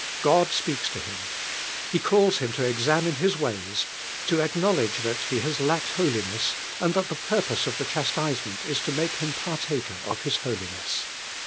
God speaks to him. He calls him to exam ine His ways, to acknowledge that he has lacked holiness, and that the purpose of <l» MVOTE ui.ai.ing. the chastisement is to make him partaker of His holiness.